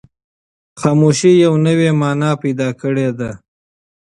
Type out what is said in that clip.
خاموشي یوه نوې مانا پیدا کړې ده.